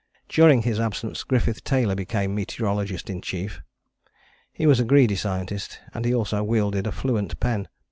During his absence Griffith Taylor became meteorologist in chief. He was a greedy scientist, and he also wielded a fluent pen.